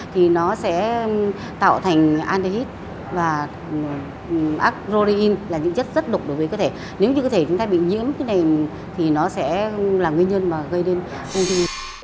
thì nó sẽ tạo thành anti hít và acrolein là những chất rất độc đối với cơ thể nếu như cơ thể chúng ta bị nhiễm thì nó sẽ là nguyên nhân gây đến ung thư